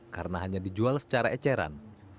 karena hanya dijual secara eceran